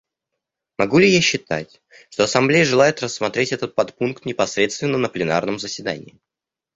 Могу ли я считать, что Ассамблея желает рассмотреть этот подпункт непосредственно на пленарном заседании?